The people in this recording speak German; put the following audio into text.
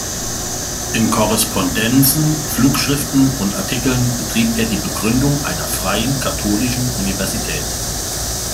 In Korrespondenzen, Flugschriften und Artikeln betrieb er die Begründung einer „freien katholischen Universität“.